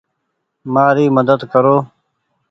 مآري مدد ڪرو ۔